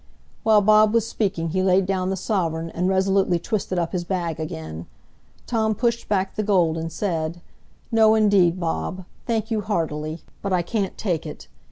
While Bob was speaking he laid down the sovereign, and resolutely twisted up his bag again. Tom pushed back the gold, and said, "No, indeed, Bob; thank you heartily, but I can't take it."